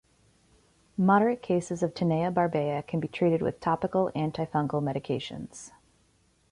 Moderate cases of Tinea Barbaea can be treated with topical antifungal medications.